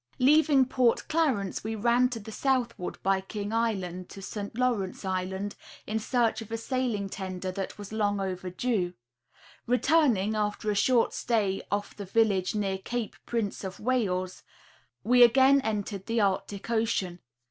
Leaving Port Clarence we ran to the southward by King island to St. Lawrence island, in search of a sailing tender that was long over due; returning, after a short stay off the village near Cape Prince of Wales, we again entered the Arctic ocean.